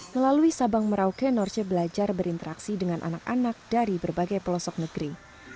melalui sabang merauke norce belajar berinteraksi dengan anak anak dari berbagai pelosok negeri